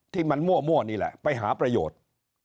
ที่มันมั่วนี่แหละไปหาประโยชน์